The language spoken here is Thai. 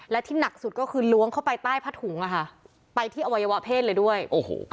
และที่หนักสุดก็คือล้วงเข้าไปใต้ผ้าถุงอ่ะค่ะไปที่อวัยวะเพศเลยด้วยโอ้โห